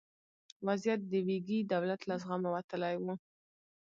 وضعیت د ویګي دولت له زغمه وتلی و.